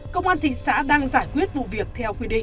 công an thị xã đang giải quyết